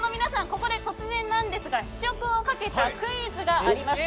ここで突然なんですが試食をかけたクイズがあります。